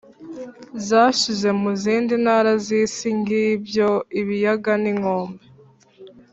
zashize mu zindi ntara z’isi, ngibyo ibiyaga n’inkombe